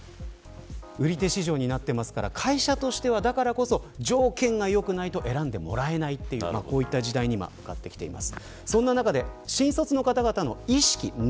売り手市場になってますから会社としては、だからこそ条件が良くないと選ばれないというこういった時代になっています。